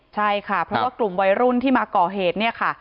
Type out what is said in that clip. ใช่ค่ะเพราะว่ากลุ่มวัยรุ่นที่มาก่อเหตุเนี่ยค่ะ